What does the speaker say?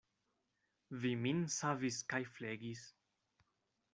Vi min savis kaj flegis.